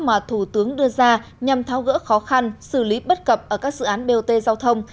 mà thủ tướng đưa ra nhằm tháo gỡ khó khăn xử lý bất cập ở các dự án bot giao thông